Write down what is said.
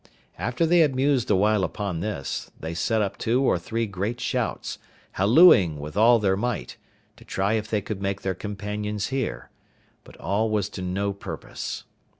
After they had mused a while upon this, they set up two or three great shouts, hallooing with all their might, to try if they could make their companions hear; but all was to no purpose.